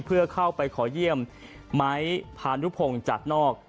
เพื่อเข้าไปขอเยี่ยมไม้พานุพงศ์จากนอก